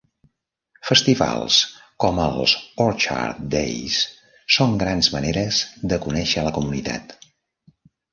Festivals com els Orchard Days són grans maneres de conèixer la comunitat.